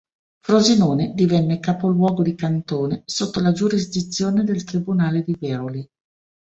Frosinone divenne capoluogo di cantone sotto la giurisdizione del tribunale di Veroli.